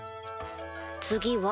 次は。